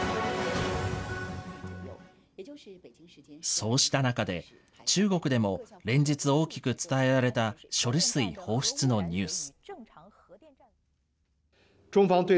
そうした中で、中国でも連日、大きく伝えられた処理水放出のニュース。